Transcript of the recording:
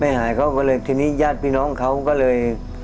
หายเขาก็เลยทีนี้ญาติพี่น้องเขาก็เลย